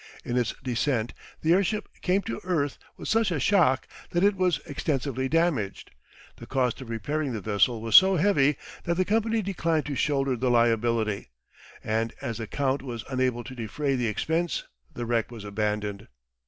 In its descent the airship came to "earth" with such a shock that it was extensively damaged. The cost of repairing the vessel was so heavy that the company declined to shoulder the liability, and as the Count was unable to defray the expense the wreck was abandoned.